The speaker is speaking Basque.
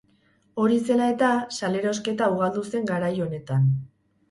Hori zela eta, sal-erosketa ugaldu zen garai honetan.